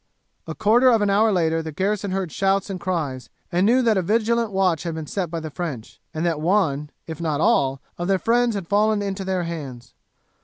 A quarter of an hour later the garrison heard shouts and cries, and knew that a vigilant watch had been set by the French, and that one, if not all, of their friends had fallen into their hands.